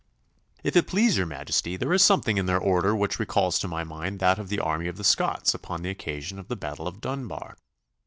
'If it please your Majesty, there is something in their order which recalls to my mind that of the army of the Scots upon the occasion of the battle of Dunbar.